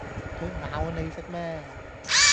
佢咬你食咩